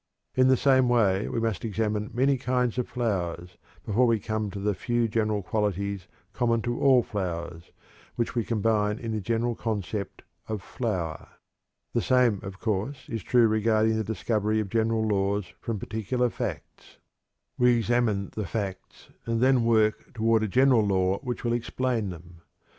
In the same way we must examine many kinds of flowers before we come to the few general qualities common to all flowers, which we combine in the general concept of "flower." The same, of course, is true regarding the discovery of general laws from particular facts. We examine the facts and then work toward a general law which will explain them.